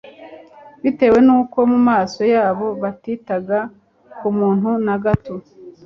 Bitewe nuko mu maso yabo batitaga ku muntu na gato,